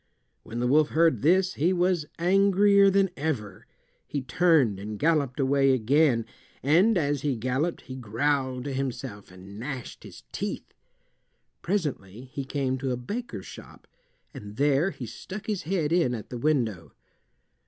When the wolf heard this he was angrier than ever. He turned and galloped away again, and as he galloped he growled to himself and gnashed his teeth. Presently he came to a baker's shop, and there he stuck his head in at the window.